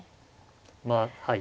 まあはい。